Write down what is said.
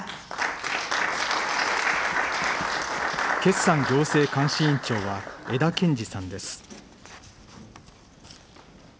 決算行政監視委員長は、江田憲司さんです。